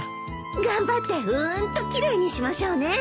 頑張ってうんと奇麗にしましょうね。